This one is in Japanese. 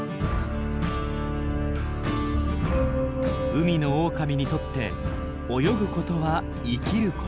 海のオオカミにとって泳ぐことは生きること。